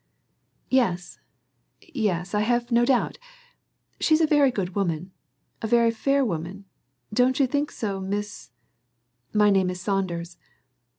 "Yes, yes, I have no doubt; she's a very good woman, a very fair woman, don't you think so, Miss " "My name is Saunders."